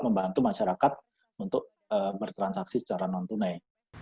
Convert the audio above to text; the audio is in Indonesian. membantu masyarakat untuk bertransaksi secara non tunai